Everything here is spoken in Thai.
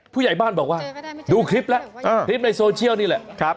ผู้ใหญ่บ้านบอกว่าดูคลิปแล้วคลิปในโซเชียลนี่แหละ